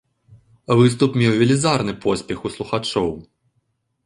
Выступ меў велізарны поспех у слухачоў.